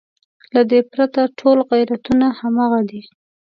له دې پرته ټول غیرتونه همغه دي.